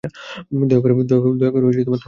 দয়া করে থামুন।